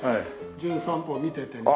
『じゅん散歩』見ててね。